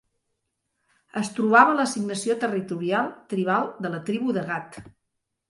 Es trobava a l'assignació territorial tribal de la tribu de Gad.